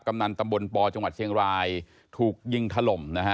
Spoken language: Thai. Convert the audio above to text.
นันตำบลปจังหวัดเชียงรายถูกยิงถล่มนะฮะ